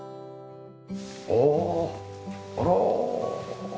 おおあら。